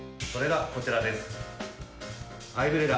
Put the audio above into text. それがこちらです。